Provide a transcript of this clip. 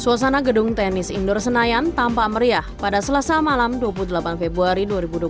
suasana gedung tenis indoor senayan tampak meriah pada selasa malam dua puluh delapan februari dua ribu dua puluh